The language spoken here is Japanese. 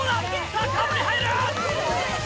さぁカーブに入る！